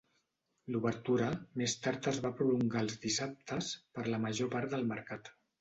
L'obertura més tard es va prolongar als dissabtes per la major part del mercat.